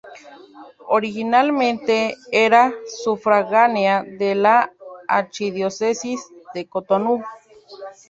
Originariamente era sufragánea de la archidiócesis de Cotonú.